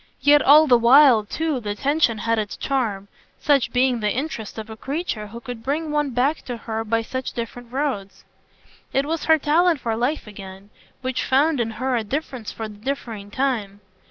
Yet all the while too the tension had its charm such being the interest of a creature who could bring one back to her by such different roads. It was her talent for life again; which found in her a difference for the differing time.